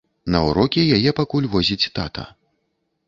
На ўрокі яе пакуль возіць тата.